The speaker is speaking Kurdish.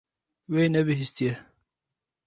Wê nebihîstiye.